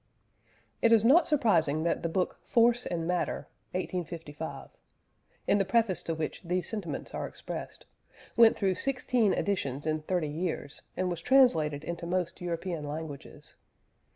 It is not surprising that the book Force and Matter (1855) in the preface to which these sentiments are expressed went through sixteen editions in thirty years and was translated into most European languages.